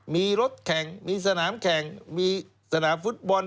มีรถแข่งมีสนามแข่งมีสนามฟุตบอล